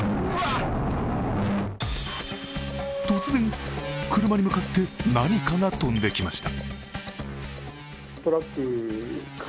突然、車に向かって何かが飛んできました。